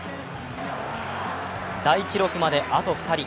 大記録まであと２人。